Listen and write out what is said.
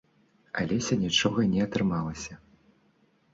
Алеся нічога не атрымалася.